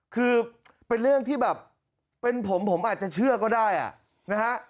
คือเป็นเรื่องที่แบบเป็นผมผมอาจจะเชื่อก็ได้นะฮะ